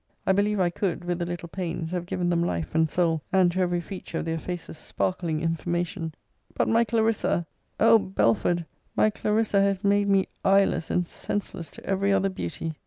I believe I could, with a little pains, have given them life and soul, and to every feature of their faces sparkling information but my Clarissa! O Belford, my Clarissa has made me eyeless and senseless to every other beauty!